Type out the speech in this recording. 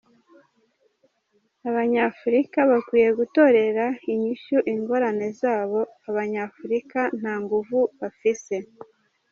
Abanyafrika bakwiye gutorera inyishu ingorane zabo, abanyafrika nta nguvu bafise.